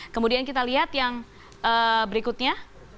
kemudian kita lihat yang berikutnya